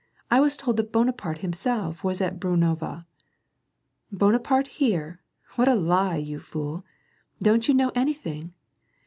I was told that Bunajiarte himself was at Brunava.^* "Bunap'arte here ! what a lie you fool ! Don't you know any thing?